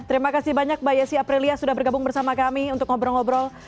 terima kasih banyak mbak yesi aprilia sudah bergabung bersama kami untuk ngobrol ngobrol